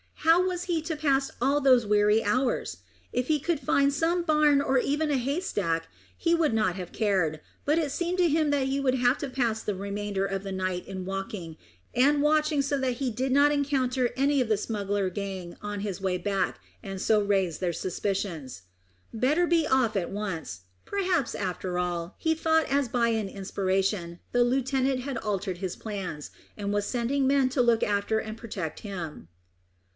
How was he to pass all those weary hours? If he could find some barn or even a haystack he would not have cared, but it seemed to him that he would have to pass the remainder of the night in walking, and watching so that he did not encounter any of the smuggler gang on his way back and so raise their suspicions. Better be off at once. Perhaps, after all, he thought as by an inspiration, the lieutenant had altered his plans, and was sending men to look after and protect him.